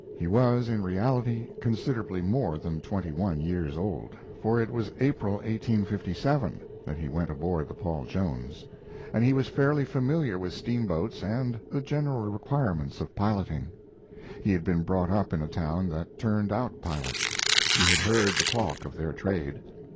He was, in reality, considerably more than twenty one years old, for it was in April, 1857, that he went aboard the Paul Jones; and he was fairly familiar with steamboats and the general requirements of piloting. He had been brought up in a town that turned out pilots; he had heard the talk of their trade.